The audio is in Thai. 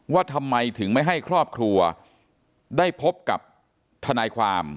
ว่าทำไมถึงไม่ให้ครอบครัวได้พบกับทนายความ